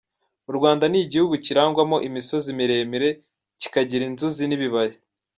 U Rwanda ni igihugu kirangwamo imisozi miremire, kikagira inzuzi nibibaya.